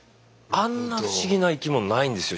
あんな不思議な生き物ないんですよ。